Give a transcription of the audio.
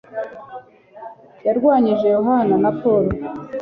Yarwanyije Yohana na Pawulo